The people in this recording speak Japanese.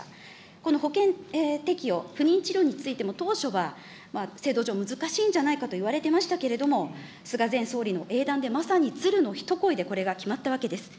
この保険適用、不妊治療についても当初は制度上難しいんじゃないかといわれてましたけれども、菅前総理の英断で、まさに鶴の一声でこれが決まったわけです。